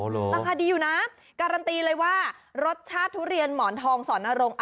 ราคาดีอยู่นะการันตีเลยว่ารสชาติทุเรียนหมอนทองสอนนรงค์